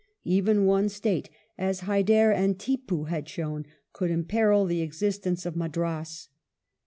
Even one state, as Hyder and Tippoo had shown, could imperil the existence of Madras.